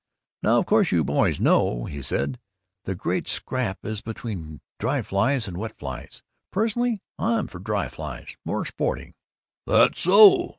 "Now, of course, you boys know," he said, "the great scrap is between dry flies and wet flies. Personally, I'm for dry flies. More sporting." "That's so.